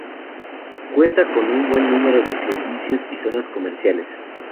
Cuenta con un buen número de servicios y zonas comerciales.